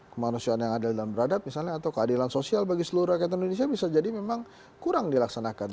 kemanusiaan yang adil dan beradab misalnya atau keadilan sosial bagi seluruh rakyat indonesia bisa jadi memang kurang dilaksanakan